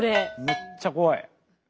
めっちゃ怖い。